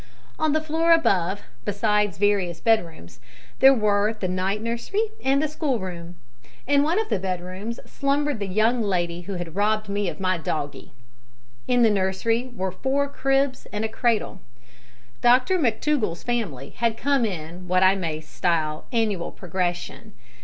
On the floor above, besides various bedrooms, there were the night nursery and the schoolroom. In one of the bedrooms slumbered the young lady who had robbed me of my doggie! In the nursery were four cribs and a cradle. Dr McTougall's family had come in what I may style annual progression.